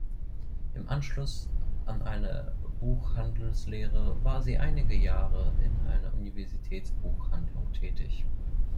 Im Anschluss an eine Buchhandelslehre war sie einige Jahre in einer Universitätsbuchhandlung tätig.